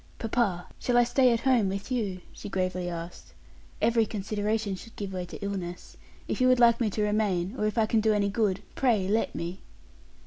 "Papa, shall I stay at home with you?" she gravely asked. "Every consideration should give way to illness. If you would like me to remain, or if I can do any good, pray let me."